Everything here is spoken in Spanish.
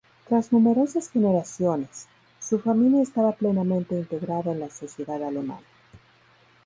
Tras numerosas generaciones, su familia estaba plenamente integrada en la sociedad alemana.